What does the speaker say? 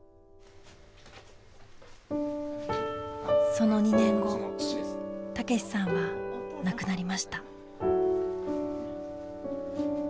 その２年後武さんは亡くなりました。